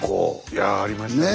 いやありましたね。